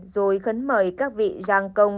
rồi khấn mời các vị giang công